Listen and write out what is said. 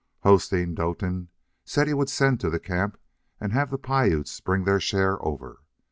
Hosteen Doetin said he would send to the camp and have the Piutes bring their share over.